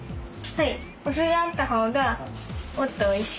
はい。